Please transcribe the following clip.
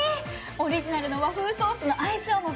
オリジナルの和風ソースの相性も抜群！